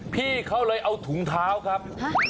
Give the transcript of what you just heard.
พี่เขาเลยเอาถุงเท้าครับ